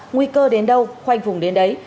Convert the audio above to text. nguy cơ đến đâu khoanh vùng đến đấy